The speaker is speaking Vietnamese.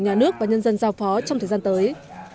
nhà nước và nhân dân giao phó trong thời gian tới